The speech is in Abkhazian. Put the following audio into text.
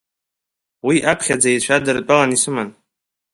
Уи аԥхьаӡаҩцәа адыртәаланы исыман.